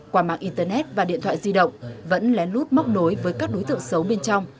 qua mạng internet và điện thoại di động vẫn lén lút móc nối với các đối tượng xấu bên trong